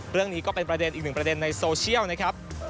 เรื่องนี้ก็เป็นประเด็นอีกหนึ่งประเด็นในโซเชียลนะครับ